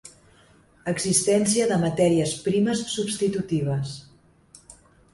Existència de matèries primes substitutives.